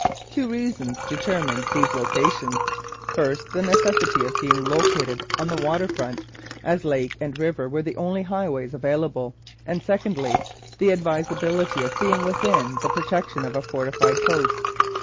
Two reasons determined these locations; first, the necessity of being located on the water front, as lake and river were the only highways available; and, secondly, the advisability of being within the protection of a fortified post.